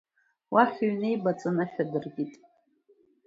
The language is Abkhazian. Уахь иҩнеибаҵан, ашә адыркит.